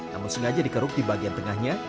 namun sengaja dikeruk di bagian tengahnya